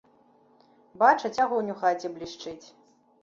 Бачаць, агонь у хаце блішчыць.